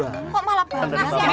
kagak mempan ini